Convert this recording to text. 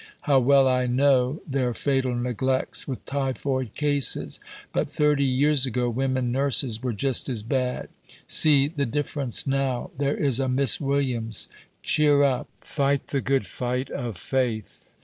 How well I know their fatal neglects with Typhoid cases! But 30 years ago women Nurses were just as bad. See the difference now. There is a Miss Williams. Cheer up: fight the good fight of faith.